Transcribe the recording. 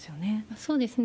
そうですね。